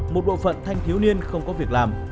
một bộ phận thanh thiếu niên không có việc làm